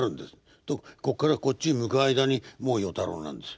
とこっからこっちへ向く間にもう与太郎なんです。